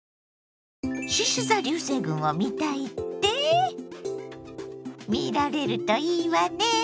しし座流星群を見たいって⁉見られるといいわね。